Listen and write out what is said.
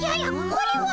これは！